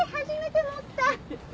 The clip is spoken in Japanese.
初めて持った！